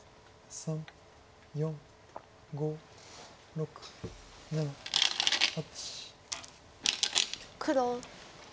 ３４５６７８。